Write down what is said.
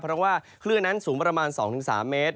เพราะว่าคลื่นนั้นสูงประมาณ๒๓เมตร